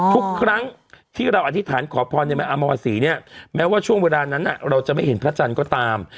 ทุกครั้งที่เราอธิษฐานขอพรในแม่อมรษีเนี่ยแม้ว่าช่วงเวลานั้นเราจะไม่เห็นพระจันทร์ก็ตาม